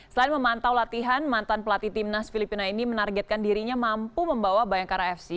selain memantau latihan mantan pelatih timnas filipina ini menargetkan dirinya mampu membawa bayangkara fc